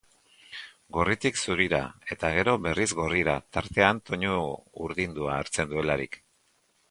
Gorritik zurira, eta gero berriz gorrira, tartean tonu urdindua hartzen duelarik.